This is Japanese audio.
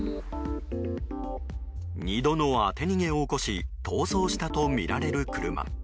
２度の当て逃げを起こし逃走したとみられる車。